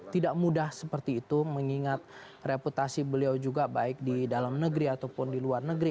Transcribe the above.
tidak mudah seperti itu mengingat reputasi beliau juga baik di dalam negeri ataupun di luar negeri